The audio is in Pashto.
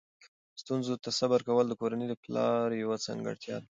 ستونزو ته صبر کول د کورنۍ د پلار یوه ځانګړتیا ده.